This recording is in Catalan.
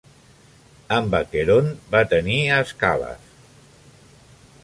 Amb Aqueront va tenir a Ascàlaf.